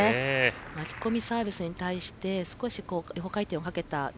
巻き込みサービスに対して少し横回転をかけた逆